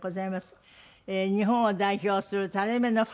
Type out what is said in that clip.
日本を代表する垂れ目の２人。